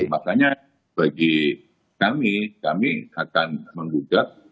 makanya bagi kami kami akan menggugat